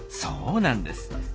そうなんです。